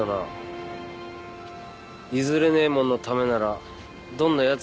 譲れねえもんのためならどんなやつにも盾突ける。